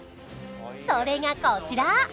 それがこちら！